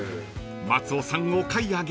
［松尾さんお買い上げ］